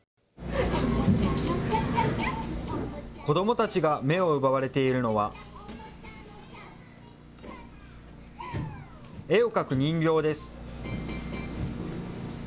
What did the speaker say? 子どもたちが目を奪われているのは絵を描く人形です